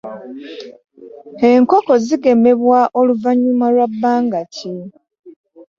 Enkoko zigemebwa oluvanyuma lwabanga ki?